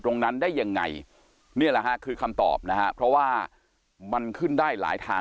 ตรงนั้นได้ยังไงนี่แหละฮะคือคำตอบนะฮะเพราะว่ามันขึ้นได้หลายทาง